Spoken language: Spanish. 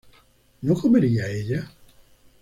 ¿no comería ella?